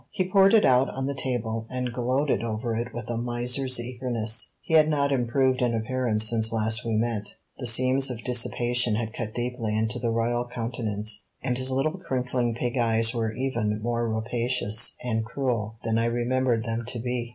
He poured it out on the table, and gloated over it with a miser's eagerness. He had not improved in appearance since last we met. The seams of dissipation had cut deeply into the royal countenance, and his little crinkling pig eyes were even more rapacious and cruel than I remembered them to be.